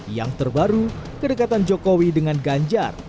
yang terbaru kedekatan jokowi dengan ganjar